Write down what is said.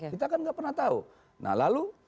kita kan tidak pernah tahu